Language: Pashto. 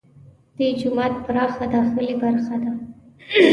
دې جومات پراخه داخلي برخه ده.